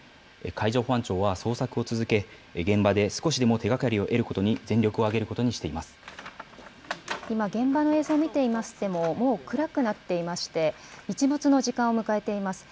海上保安庁は、捜索を続け、現場で少しでも手がかりを得ることに全力をあげることにしていま今、現場の映像を見ていましても、もう暗くなっていまして、日没の時間を迎えています。